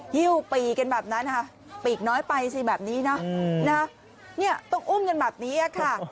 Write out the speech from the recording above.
หิ้วปีกันแบบนั้นค่ะต้องอุ้มแบบนี้ค่ะ